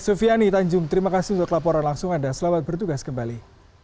sufiani tanjung terima kasih untuk laporan langsung anda selamat bertugas kembali